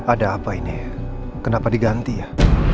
ada apa ini kenapa diganti ya